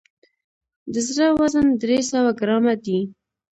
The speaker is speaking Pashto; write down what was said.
د زړه وزن درې سوه ګرامه دی.